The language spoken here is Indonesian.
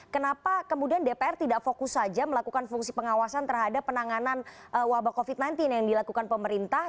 kenapa kemudian dpr tidak fokus saja melakukan fungsi pengawasan terhadap penanganan wabah covid sembilan belas yang dilakukan pemerintah